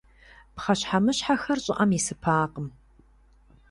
Пхъэщхьэмыщхьэхэр щӏыӏэм исыпакъым.